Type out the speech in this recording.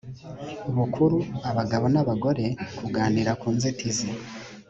bukuru abagabo n abagore kuganira ku nzitizi